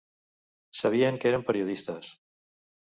Sabien que érem periodistes.